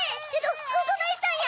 ⁉どないしたんや？